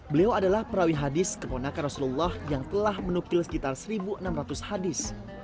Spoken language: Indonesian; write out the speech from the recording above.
beliau adalah perawi hadis keponakan rasulullah yang telah menukil sekitar satu enam ratus hadis